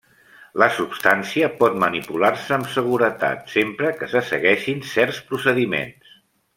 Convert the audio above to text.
La substància pot manipular-se amb seguretat sempre que se segueixin certs procediments.